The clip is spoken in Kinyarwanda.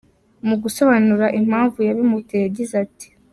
Mu gusobanura impamvu yabimuteye yagize ati: .